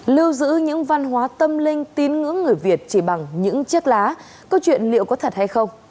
lưu giữ những văn hóa tâm linh tín ngưỡng người việt chỉ bằng những chiếc lá câu chuyện liệu có thật hay không